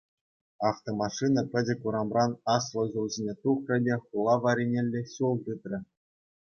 Автомашина пӗчӗк урамран аслӑ ҫул ҫине тухрӗ те хула варринелле ҫул тытрӗ.